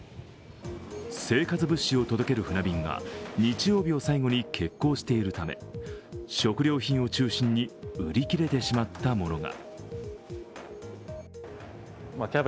生活物資を届ける船便が、日曜日を最後に欠航しているため食料品を中心に売り切れてしまったものが。